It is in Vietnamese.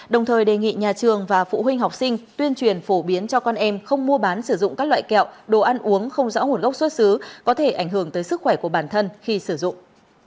đồng thời đề nghị nhà trường và phụ huynh học sinh tuyên truyền phổ biến cho con em không mua bán sử dụng các loại kẹo đồ ăn uống không rõ nguồn gốc xuất xứ có thể ảnh hưởng tới sức khỏe của bản thân khi sử dụng